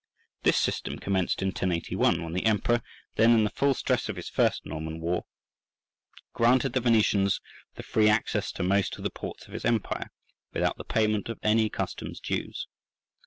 This system commenced in 1081, when the Emperor, then in the full stress of his first Norman war, granted the Venetians the free access to most of the ports of his empire without the payment of any customs dues.